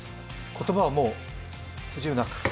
言葉はもう不自由なく？